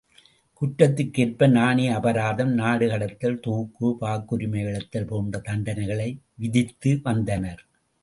குற்றத்திற்கேற்ப நாணய அபராதம், நாடுகடத்தல், தூக்கு, வாக்குரிமை இழத்தல் போன்ற தண்டனைகளை விதித்து வந்தனர்.